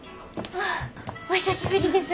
お久しぶりです。